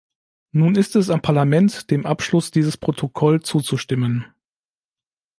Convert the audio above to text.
Nun ist es am Parlament, dem Abschluss dieses Protokoll zuzustimmen.